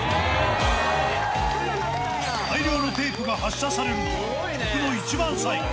大量のテープが発射されるのは、曲の一番最後。